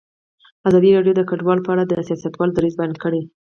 ازادي راډیو د کډوال په اړه د سیاستوالو دریځ بیان کړی.